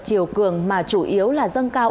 chiều cường mà chủ yếu là dân cao